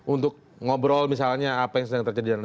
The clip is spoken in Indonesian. untuk ngobrol misalnya apa yang sedang terjadi